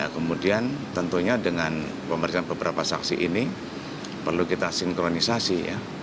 kemudian tentunya dengan pemeriksaan beberapa saksi ini perlu kita sinkronisasi ya